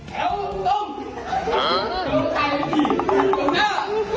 แถวตรงตรง